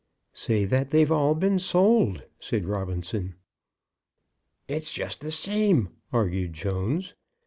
"Say that they've all been sold," said Robinson. "It's just the same," argued Jones.